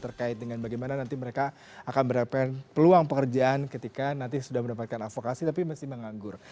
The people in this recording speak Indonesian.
terkait dengan bagaimana nanti mereka akan mendapatkan peluang pekerjaan ketika nanti sudah mendapatkan avokasi tapi mesti menganggur